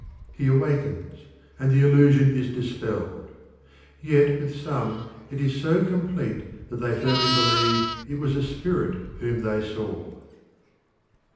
He awakes, and the illusion is dispelled; yet with some it is so complete that they firmly believe it was a spirit whom they saw.